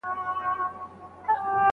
الهي روح انسان ته لوړ ارزښت ورکوي.